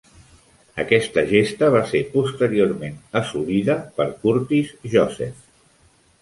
Aquesta gesta va ser posteriorment assolida per Curtis Joseph.